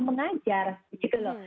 mengajar gitu loh